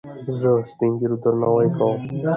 زه سپينږيرو درناوی کوم.